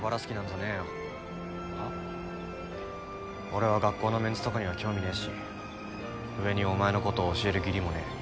俺は学校のメンツとかには興味ねえし上にお前のことを教える義理もねえ。